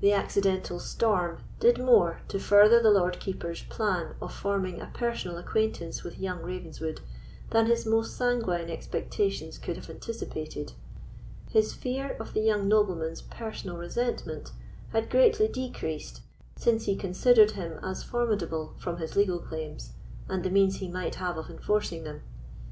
The accidental storm did more to further the Lord Keeper's plan of forming a personal acquaintance with young Ravenswood than his most sanguine expectations could have anticipated. His fear of the young nobleman's personal resentment had greatly decreased since he considered him as formidable from his legal claims and the means he might have of enforcing them.